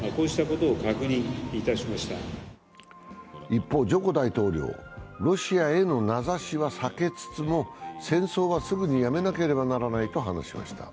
一方、ジョコ大統領、ロシアへの名指しは避けつつも、戦争は、すぐにやめなければならないと話しました。